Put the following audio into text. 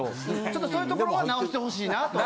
ちょっとそういうところは直してほしいなと。